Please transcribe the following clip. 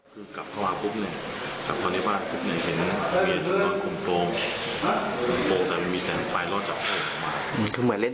พวกคุณคนนักการสัตว์เสกยบ้ามาด้วย